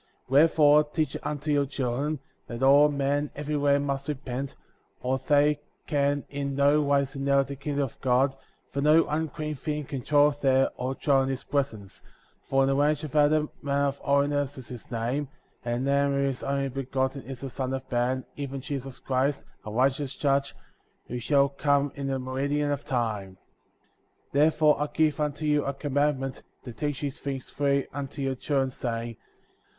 57. Wherefore teach it unto your children, that all men, everywhere, must repent, or they can in no wise inherit the kingdom of God, for no unclean thing can dwell there, or dwell in his presence; for, in the language of Adam, Man of Holiness^ is his name, and the name of his Only Begotten^ is the Son of Man, fi' even Jesus Christ,* a righteous Judge, who shall come in the meridian of time.* 58. Therefore I give unto you a conmiandment, to teach these things freely unto your children, saying: 59.